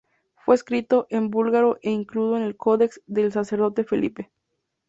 Fue escrito en búlgaro e incluido en el Codex del Sacerdote Felipe.